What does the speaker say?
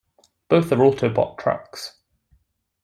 Both are Autobot trucks.